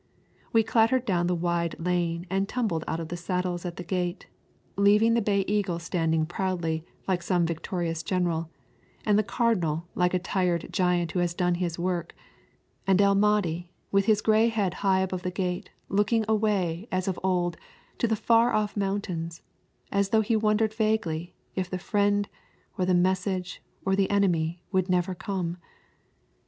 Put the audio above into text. We clattered down the wide lane and tumbled out of the saddles at the gate, leaving the Bay Eagle standing proudly like some victorious general, and the Cardinal like a tired giant who has done his work, and El Mahdi with his grey head high above the gate looking away as of old to the far off mountains as though he wondered vaguely if the friend or the message or the enemy would never come.